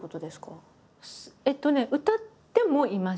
えっとね歌ってもいます。